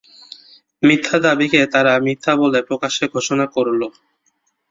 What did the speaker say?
মিথ্যা দাবিকে তারা মিথ্যা বলে প্রকাশ্যে ঘোষণা করল।